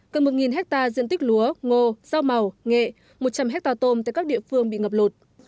gần một hectare diện tích lúa ngô rau màu nghệ một trăm linh hectare tôm tại các địa phương bị ngập lụt